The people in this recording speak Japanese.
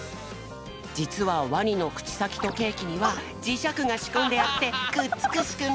じつはワニのくちさきとケーキにはじしゃくがしこんであってくっつくしくみ！